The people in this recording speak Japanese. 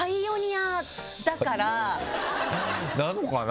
なのかな？